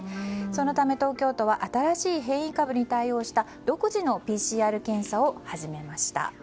そのため東京都は新しい変異株に対応した独自のＰＣＲ検査を始めました。